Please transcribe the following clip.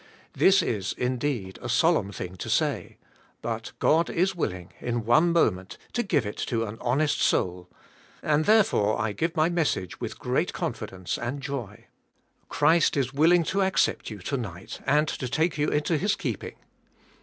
This is, indeed, a solemn thing to say, but God is willing , in one moment, to give it to an honest soul, and, therefore I give my message with great confidence, and joy. . Christ is willing to accept you, to night, and to take you into His keeping.